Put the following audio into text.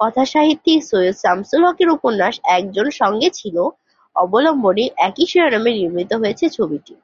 কথাসাহিত্যিক সৈয়দ শামসুল হকের উপন্যাস 'একজন সঙ্গে ছিল' অবলম্বনে একই শিরোনামে নির্মিত হয়েছে ছবিটি।